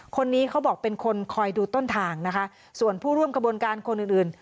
คนนี้เขาบอกเป็นคนคอยดูต้นทางนะคะส่วนผู้ร่วมกระบวนการคนอื่นอื่น